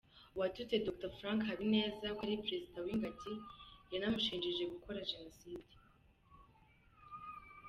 Uwatutse Dr Frank Habineza ko ari Perezida w’Ingagi, yanamushinjije gukora Jenoside.